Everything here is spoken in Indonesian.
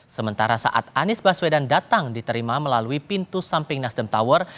sementara saat anies baswedan datang diterima melalui pintu samping nasdem tower